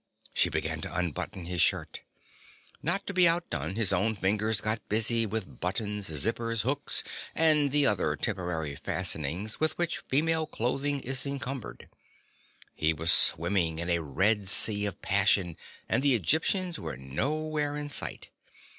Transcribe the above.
She began to unbutton his shirt. Not to be outdone, his own fingers got busy with buttons, zippers, hooks and the other temporary fastenings with which female clothing is encumbered. He was swimming in a red sea of passion and the Egyptians were nowhere in sight.